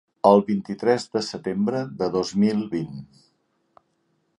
El vint-i-tres de setembre de dos mil vint.